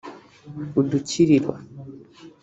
udukiriro